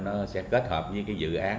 nó sẽ kết hợp với cái dự án